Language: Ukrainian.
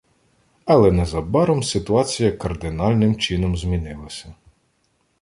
Але незабаром ситуація кардинальним чином змінилася.